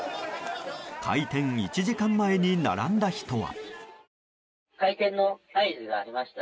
開店１時間前に並んだ人は。